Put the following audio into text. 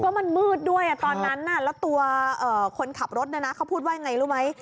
เพราะมันมืดด้วยตอนนั้นแล้วตัวคนขับรถเขาพูดว่าไงรู้ไหม